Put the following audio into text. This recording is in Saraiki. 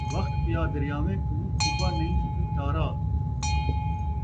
وخت پیا دریاویں کوں ، کُٻا نئی وی تارا